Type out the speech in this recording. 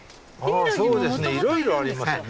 あそうですねいろいろありますね。